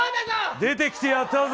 出てきてやったぞ。